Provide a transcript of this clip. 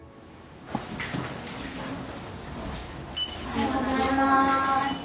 おはようございます。